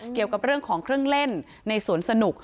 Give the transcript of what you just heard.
เกี่ยวกับเรื่องของเครื่องเล่นในสวนสนุก